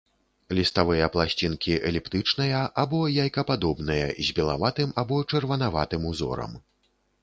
Ліставыя пласцінкі эліптычныя або яйкападобныя, з белаватым або чырванаватым узорам.